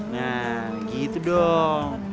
nah gitu dong